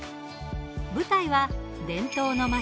舞台は伝統の街